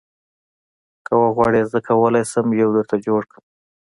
که وغواړې زه کولی شم یو درته جوړ کړم